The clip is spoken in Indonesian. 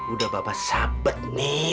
udah bapak sabet nih